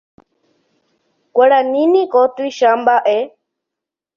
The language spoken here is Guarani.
Guarani niko tuicha mbaʼe.